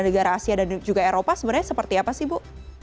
negara asia dan juga eropa sebenarnya seperti apa sih bu